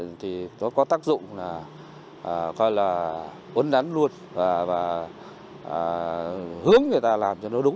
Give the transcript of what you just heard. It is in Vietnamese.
nó có tác dụng là uấn đắn luôn và hướng người ta làm cho nó đúng